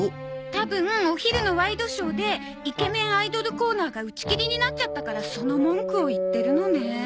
多分お昼のワイドショーでイケメンアイドルコーナーが打ち切りになっちゃったからその文句を言ってるのね。